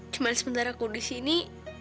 cuma sementara aku di sini